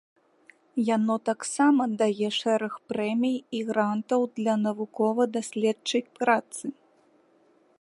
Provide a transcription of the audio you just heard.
Яно таксама дае шэраг прэмій і грантаў для навукова-даследчай працы.